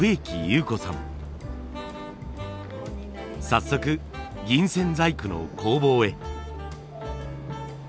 早速銀線細工の工房へ。